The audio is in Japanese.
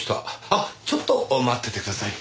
あっちょっと待っててください。